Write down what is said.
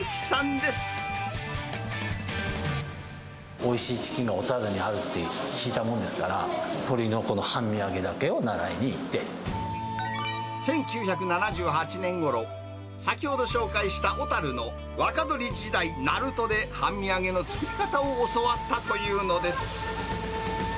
おいしいチキンが小樽にあるって聞いたもんですから、１９７８年ごろ、先ほど紹介した小樽の若鶏時代なるとで半身揚げの作り方を教わったというのです。